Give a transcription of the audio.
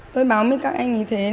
tôi báo với các anh như thế